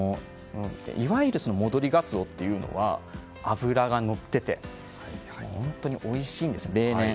いわゆる戻りガツオというのは脂がのっていて本当においしいんです、例年。